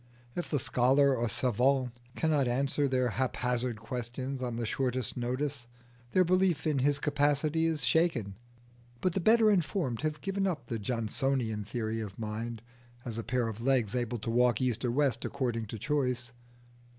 If the scholar or savant cannot answer their haphazard questions on the shortest notice, their belief in his capacity is shaken. But the better informed have given up the Johnsonian theory of mind as a pair of legs able to walk east or west according to choice.